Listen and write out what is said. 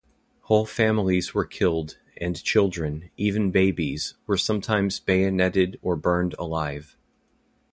Whole families were killed, and children, even babies, were sometimes bayoneted or burned alive.